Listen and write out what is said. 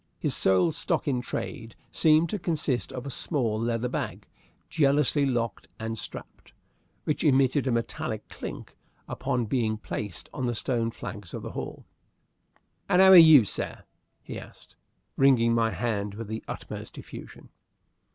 His sole stock in trade seemed to consist of a small leather bag jealously locked and strapped, which emitted a metallic clink upon being placed on the stone flags of the hall. "And 'ow are you, sir?" he asked, wringing my hand with the utmost effusion.